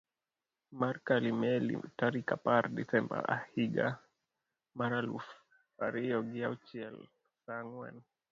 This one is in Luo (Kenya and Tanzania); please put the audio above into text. mar Kalimeli tarik apar desemba ahiga mar aluf ariyo gi auchiel sa ang'wen